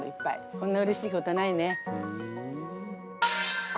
こんなうれしいことはないね。